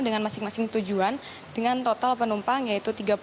dengan masing masing tujuan dengan total penumpang yaitu tiga puluh